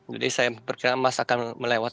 jadi saya berkira emas akan meningkat